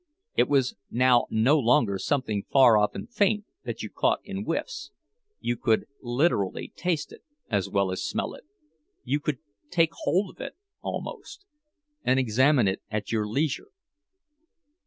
It was now no longer something far off and faint, that you caught in whiffs; you could literally taste it, as well as smell it—you could take hold of it, almost, and examine it at your leisure.